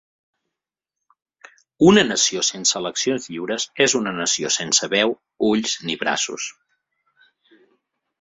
Una nació sense eleccions lliures és una nació sense veu, ulls ni braços.